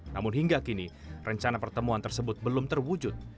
namun hingga kini rencana pertemuan tersebut belum terwujud